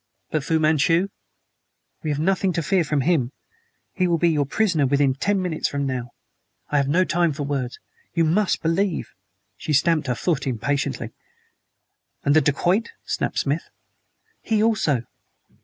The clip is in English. "But Fu Manchu?" "We have nothing to fear from him. He will be your prisoner within ten minutes from now! I have no time for words you must believe!" She stamped her foot impatiently. "And the dacoit?" snapped Smith. "He also."